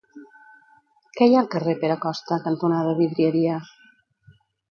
Què hi ha al carrer Pere Costa cantonada Vidrieria?